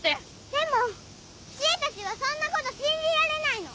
でも知恵たちはそんなこと信じられないの！